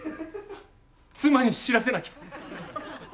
妻に知らせなきゃ。